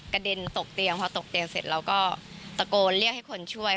เด็นตกเตียงพอตกเตียงเสร็จเราก็ตะโกนเรียกให้คนช่วย